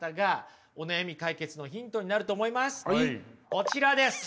こちらです。